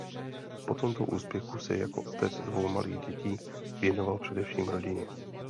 Po tomto úspěchu se jako otec dvou malých dětí věnoval především rodině.